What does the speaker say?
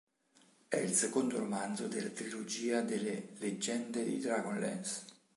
È il secondo romanzo della trilogia delle "Leggende di Dragonlance".